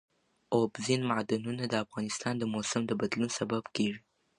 اوبزین معدنونه د افغانستان د موسم د بدلون سبب کېږي.